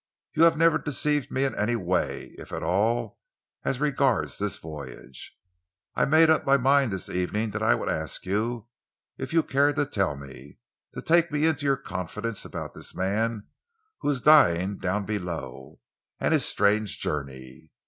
"You have never deceived me in any way except, if at all, as regards this voyage. I made up my mind this evening that I would ask you, if you cared to tell me, to take me into your confidence about this man who is dying down below, and his strange journey.